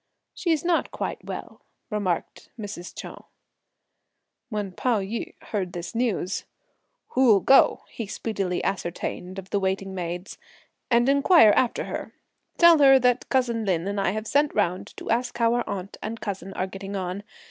"She's not quite well," remarked Mrs. Chou. When Pao yü heard this news, "Who'll go," he speedily ascertained of the waiting maids, "and inquire after her? Tell her that cousin Lin and I have sent round to ask how our aunt and cousin are getting on!